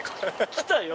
来たよ